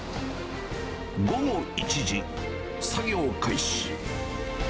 午後１時、作業開始。